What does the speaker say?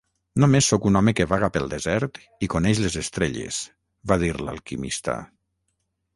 "Només soc un home que vaga pel desert i coneix les estrelles", va dir l'alquimista.